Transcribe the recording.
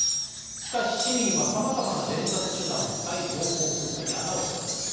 しかし市民はさまざまな伝達手段を使い情報封鎖に穴をあけました。